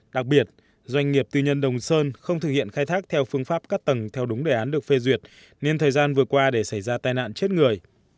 đặc biệt doanh nghiệp tư nhân đồng sơn không thực hiện khai thác theo phương pháp các tầng theo đúng đề án được phê duyệt nên thời gian vừa qua để xảy ra tai nạn chết người